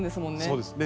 そうです。